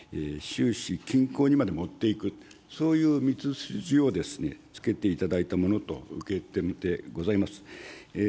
収支均衡にまで持っていく、そういう道筋をつけていただいたものと受け止めてございます。